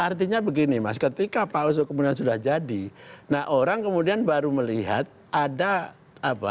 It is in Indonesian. artinya begini mas ketika pak oso kemudian sudah jadi nah orang kemudian baru melihat ada apa